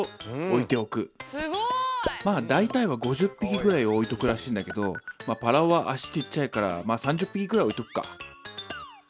まあ大体は５０匹ぐらい置いとくらしいんだけどパラオは足ちっちゃいから３０匹くらい置いとくか。